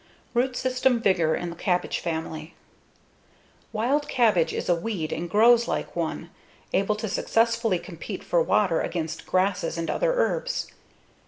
Root System Vigor in the Cabbage Family Wild cabbage is a weed and grows like one, able to successfully compete for water against grasses and other herbs.